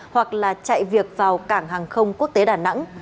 hoặc là chạy việc vào cảng hàng không quốc tế đà nẵng